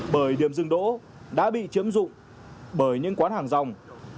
bởi điểm dừng đỗ đã bị chiếm dụng bởi những quán hàng rong